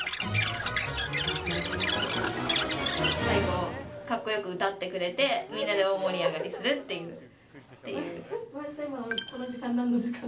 最後格好よく歌ってくれてみんなで大盛り上がりするっていう。